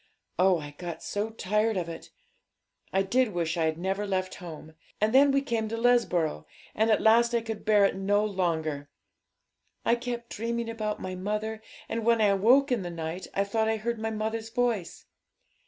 Oh, I got so tired of it! I did wish I had never left home. And then we came to Lesborough, and at last I could bear it no longer. I kept dreaming about my mother, and when I woke in the night I thought I heard my mother's voice.